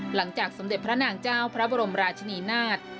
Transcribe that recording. สมเด็จพระนางเจ้าพระบรมราชนีนาฏ